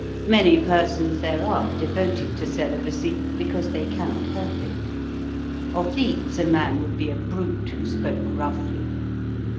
Many persons there are devoted to celibacy because they cannot help it. Of these a man would be a brute who spoke roughly.